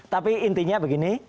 tapi intinya begini